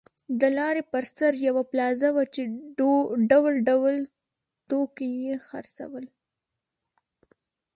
د لارې پر سر یوه پلازه وه چې ډول ډول توکي یې خرڅول.